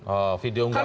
oh video unggaran